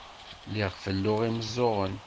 Lliɣ felluɣ imeẓẓuɣen.